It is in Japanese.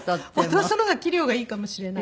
弟の方が器量がいいかもしれない。